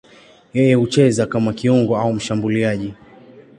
Yeye hucheza kama kiungo au mshambuliaji.